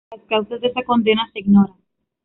Las causas de esta condena se ignoran.